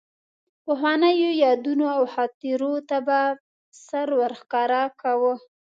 پخوانیو یادونو او خاطرو ته به سر ورښکاره کاوه.